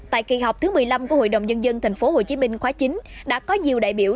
tại kỳ họp thứ một mươi năm của hội đồng nhân dân tp hcm khóa chín đã có nhiều đại biểu